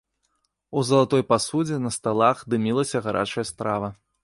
У залатой пасудзе на сталах дымілася гарачая страва.